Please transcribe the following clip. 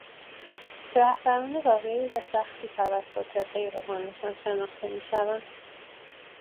رهبران واقعی به سختی توسط پیروانشان شناخته میشوند